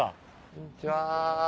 こんにちは。